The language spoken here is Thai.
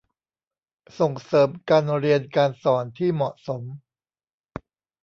ส่งเสริมการเรียนการสอนที่เหมาะสม